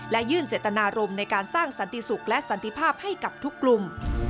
และยื่นเจตนารมณ์ในการสร้างสันติสุขและสันติภาพให้กับทุกกลุ่ม